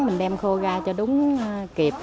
mình đem khô ra cho đúng kịp